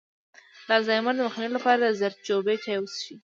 د الزایمر د مخنیوي لپاره د زردچوبې چای وڅښئ